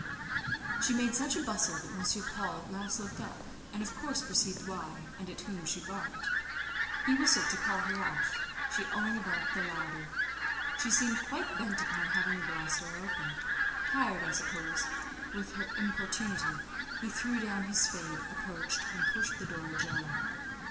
She made such a bustle that M. Paul at last looked up, and of course perceived why, and at whom she barked. He whistled to call her off; she only barked the louder. She seemed quite bent upon having the glass door opened. Tired, I suppose, with her importunity, he threw down his spade, approached, and pushed the door ajar.